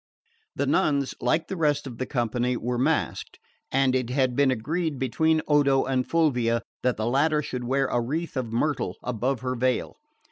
The nuns, like the rest of the company, were masked; and it had been agreed between Odo and Fulvia that the latter should wear a wreath of myrtle above her veil.